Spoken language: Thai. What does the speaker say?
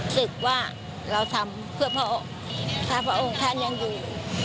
รู้สึกว่าเราทำเพื่อพ่อถ้าพระองค์ท่านยังอยู่